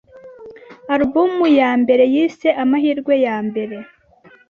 album ya mbere yise Amahirwe ya Mbere